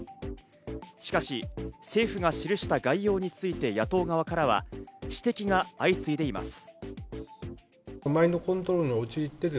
しかし政府が著した概要について、野党側からは指摘が相次いでいます。